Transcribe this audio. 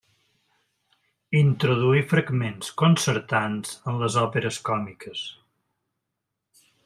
Introduí fragments concertants en les òperes còmiques.